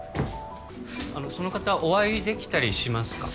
あのその方お会いできたりしますか？